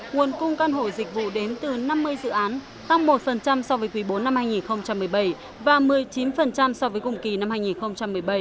nguồn cung căn hộ dịch vụ đến từ năm mươi dự án tăng một so với quý bốn năm hai nghìn một mươi bảy và một mươi chín so với cùng kỳ năm hai nghìn một mươi bảy